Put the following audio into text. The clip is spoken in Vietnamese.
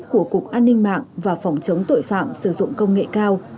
của cục an ninh mạng và phòng chống tội phạm sử dụng công nghệ cao